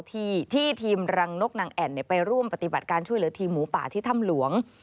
ที่ทีมรังนกนางแอ่นไปร่วมปฏิบัติการช่วยเหลือทีมหมูป่าที่ถ้ำหลวง